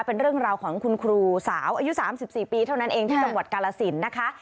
เป็นเรื่องราวของคุณครูสาวอายุ๓๔ปีเท่านั้นเองที่จังหวัดกาลสินนะคะ